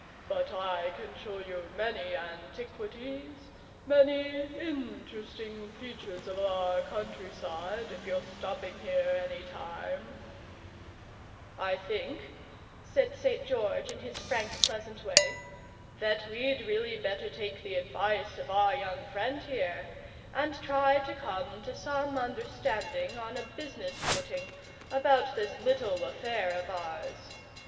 But I can show you many antiquities, many interesting features of our country side, if you're stopping here any time " "I think," said St. George, in his frank, pleasant way, "that we'd really better take the advice of our young friend here, and try to come to some understanding, on a business footing, about this little affair of ours.